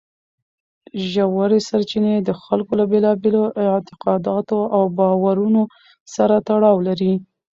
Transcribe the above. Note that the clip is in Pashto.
ژورې سرچینې د خلکو له بېلابېلو اعتقاداتو او باورونو سره تړاو لري.